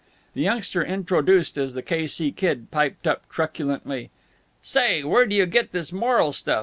The youngster introduced as the K. C. Kid piped up, truculently: "Say, where do you get this moral stuff?